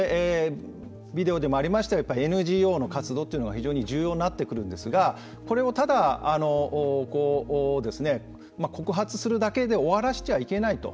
ビデオでもありましたＮＧＯの活動というのが非常に重要になってくるんですがこれもただ告発するだけで終わらせてはいけないと。